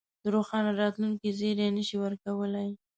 د روښانه راتلونکې زېری نه شي ورکولای.